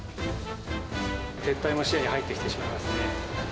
撤退が視野に入ってきてしまいますね。